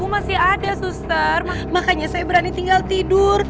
masih ada suster makanya saya berani tinggal tidur